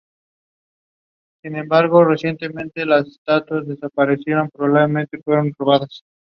A run is the basic means of scoring in cricket.